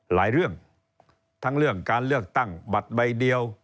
หลายเรื่องทั้งเรื่องการเลือกตั้งบัตรใบเดียว